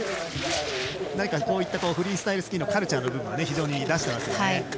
こういったフリースタイルのカルチャーの部分を非常に出していますよね。